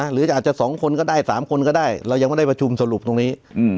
หรืออาจจะ๒คนก็ได้๓คนก็ได้เรายังไม่ได้ประชุมสรุปตรงนี้